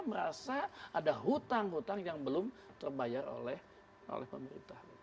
karena ada hutang hutang yang belum terbayar oleh pemerintah